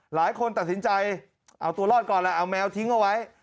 หลายคนตัดสินใจเอาตัวรอดก่อนแล้วเอาแมวทิ้งเอาไว้